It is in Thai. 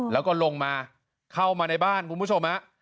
แล้วก็ลงมาเข้ามาในบ้านคุณผู้ชมฮะ